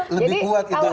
lebih kuat itu